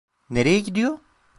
Nereye gidiyor?